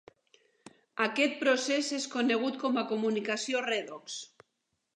Aquest procés és conegut com a comunicació redox.